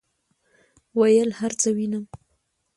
ویل هرڅه وینم،